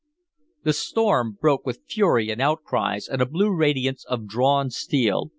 The storm broke with fury and outcries, and a blue radiance of drawn steel.